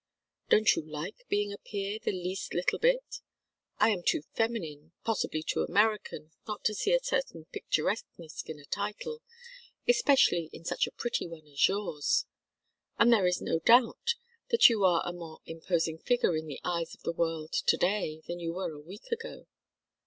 "Don't you like being a peer the least little bit? I am too feminine, possibly too American, not to see a certain picturesqueness in a title, especially in such a pretty one as yours; and there is no doubt that you are a more imposing figure in the eyes of the world to day than you were a week ago.